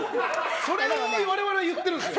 それを我々は言ってるんですよ。